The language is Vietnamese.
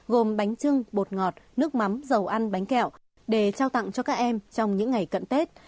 gồm bánh trưng bột ngọt nước mắm dầu ăn bánh kẹo để trao tặng cho các em trong những ngày cận tết